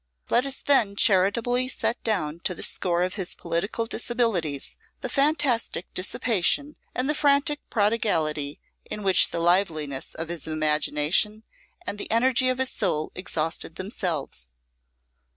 Let us then charitably set down to the score of his political disabilities the fantastic dissipation and the frantic prodigality in which the liveliness of his imagination and the energy of his soul exhausted themselves.